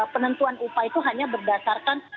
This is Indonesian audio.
penentuan upah itu hanya berdasarkan